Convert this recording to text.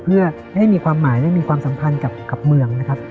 เพื่อให้มีความหมายได้มีความสัมพันธ์กับเมืองนะครับ